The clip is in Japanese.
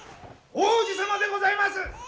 皇子様でございます！